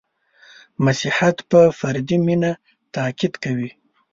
• مسیحیت په فردي مینه تأکید کوي.